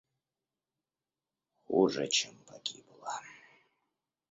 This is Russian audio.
Хуже чем погибла.